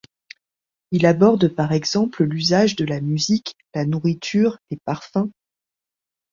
Il aborde par exemple l'usage de la musique, la nourriture, les parfums...